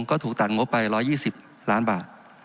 ก็ถูกตัดงบไป๑๒๐ล้านบาท